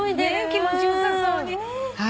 気持ち良さそうにね。